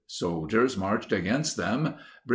Soldiers marched against them. Brig.